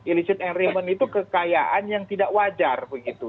illicit enriement itu kekayaan yang tidak wajar begitu